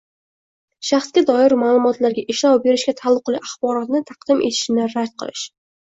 Shaxsga doir ma’lumotlarga ishlov berishga taalluqli axborotni taqdim etishni rad qilish